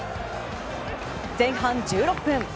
前半１６分。